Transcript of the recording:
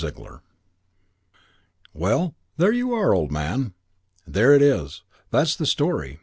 III "Well, there you are, old man. There it is. That's the story.